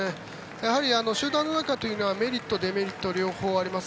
やはり集団の中というのはメリット、デメリットと両方あります。